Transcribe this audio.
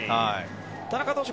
田中投手